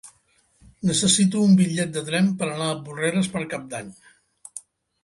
Necessito un bitllet de tren per anar a Porreres per Cap d'Any.